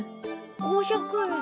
５００円！